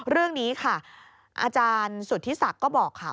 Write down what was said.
เรื่องนี้ค่ะอาจารย์สุธิศักดิ์ก็บอกค่ะ